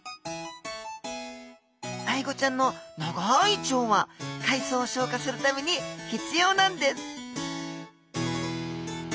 アイゴちゃんの長い腸は海藻を消化するために必要なんです